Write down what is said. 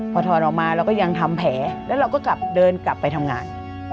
พอถอดออกมาเราก็ยังทำแผลแล้วเราก็กลับเดินกลับไปทำงาน